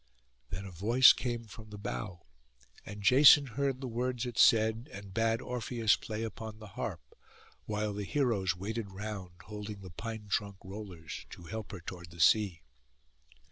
Then a voice came from the bough, and Jason heard the words it said, and bade Orpheus play upon the harp, while the heroes waited round, holding the pine trunk rollers, to help her toward the sea.